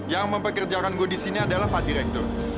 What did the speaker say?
yang mempekerjakan gue disini adalah pak direktur